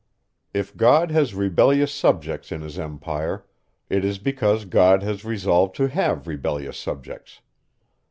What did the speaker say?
If God has rebellious subjects in his empire, it is because God has resolved to have rebellious subjects.